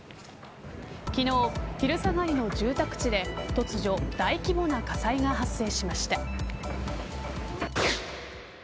昨日、昼下がりの住宅地で突如、大規模な火災が発生しました。